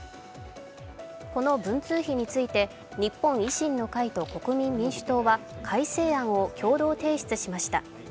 この文通費について日本維新の会と国民民主党は改正案を共同提出しました。